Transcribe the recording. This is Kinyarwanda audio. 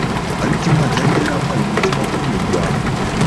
ariko Imana yari yarampaye umutima wo kunyurwa